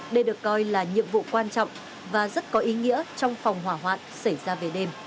đây được coi là nhiệm vụ quan trọng và rất có ý nghĩa trong phòng hỏa hoạn xảy ra về đêm